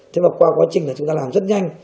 thế mà qua quá trình là chúng ta làm rất nhanh